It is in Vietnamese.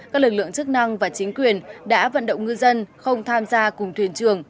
các lực lượng chức năng và chính quyền đã vận động ngư dân không tham gia cùng thuyền trường